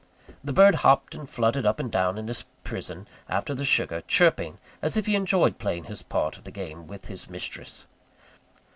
The bird hopped and fluttered up and down in his prison after the sugar, chirping as if he enjoyed playing his part of the game with his mistress.